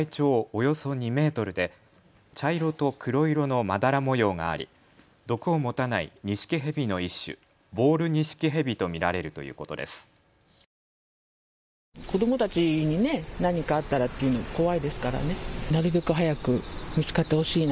およそ２メートルで茶色と黒色のまだら模様があり毒を持たないニシキヘビの一種、ボールニシキヘビと見られるということです。